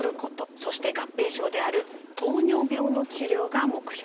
そして合併症である糖尿病の治療が目標となります。